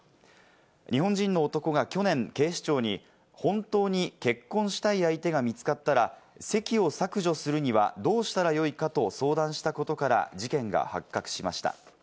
日本人の男が去年、警視庁に本当に結婚したい相手が見つかったら籍を削除するにはどうしたら良いかと相談したことから事件が発覚しました。